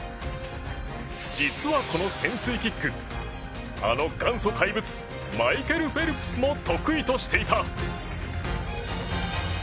実はこの潜水キックあの元祖怪物マイケル・フェルプスも得意としていた。